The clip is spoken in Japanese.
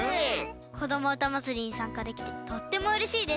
「こどもうたまつり」にさんかできてとってもうれしいです。